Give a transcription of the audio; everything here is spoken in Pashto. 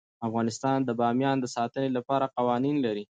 افغانستان د بامیان د ساتنې لپاره قوانین لري.